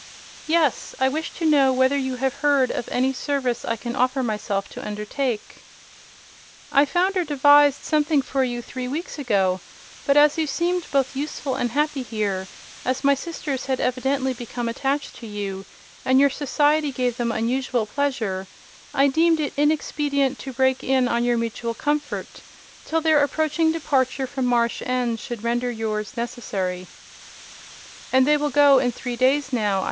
"Yes; I wish to know whether you have heard of any service I can offer myself to undertake?" "I found or devised something for you three weeks ago; but as you seemed both useful and happy here—as my sisters had evidently become attached to you, and your society gave them unusual pleasure—I deemed it inexpedient to break in on your mutual comfort till their approaching departure from Marsh End should render yours necessary." "And they will go in three days now?"